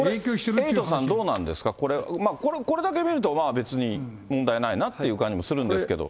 エイトさん、どうなんですか、これ、これだけ見ると別に問題ないなという感じもするんですけど。